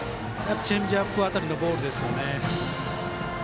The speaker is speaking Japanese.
チェンジアップ辺りのボールです。